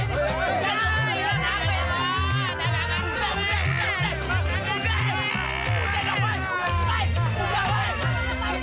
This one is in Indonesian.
tahan tahan tahan